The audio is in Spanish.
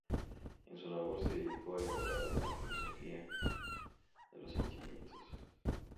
En su labor se dedicó a elaborar una filosofía de los sentimientos.